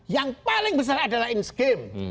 yang paling besar adalah ins game